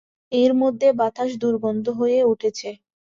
এর মধ্যে বাতাস দুর্গন্ধ হয়ে উঠেছে।